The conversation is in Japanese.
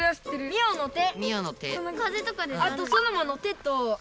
ミオの手！